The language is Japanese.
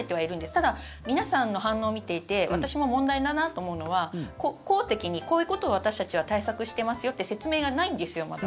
ただ、皆さんの反応を見ていて私も問題だなと思うのは公的に、こういうことを私たちは対策してますよって説明がないんですよ、まだ。